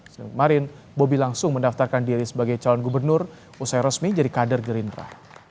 senin kemarin bobi langsung mendaftarkan diri sebagai calon gubernur usai resmi jadi kader gerindra